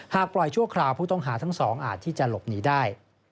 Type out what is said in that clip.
ปล่อยชั่วคราวผู้ต้องหาทั้งสองอาจที่จะหลบหนีได้